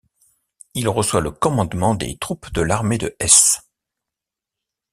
Il reçoit le commandement des troupes de l'armée de Hesse.